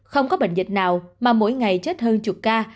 không có bệnh dịch nào mà mỗi ngày chết hơn chục ca